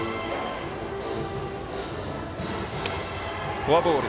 フォアボール。